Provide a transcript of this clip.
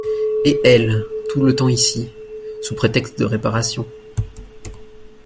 Et elle, tout le temps ici… sous prétexte de réparations…